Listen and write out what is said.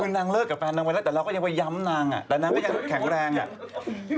คือนางเลิกกับแฟนนางไปแล้วแต่เราก็ยังไปย้ำนางอ่ะแต่นางก็ยังแข็งแรงอ่ะ